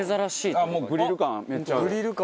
もうグリル感